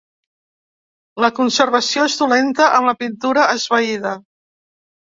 La conservació és dolenta amb la pintura esvaïda.